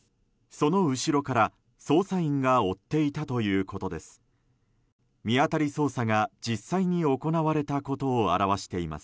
その後ろから捜査員が追っていたということです。